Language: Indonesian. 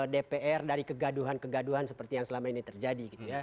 dpr dari kegaduhan kegaduhan seperti yang selama ini terjadi